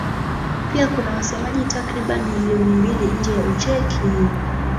Pia kuna wasemaji takriban milioni mbili nje ya Ucheki.